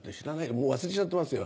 もう忘れちゃってますよ